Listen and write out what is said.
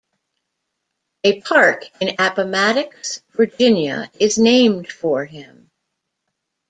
A park in Appomattox, Virginia is named for him.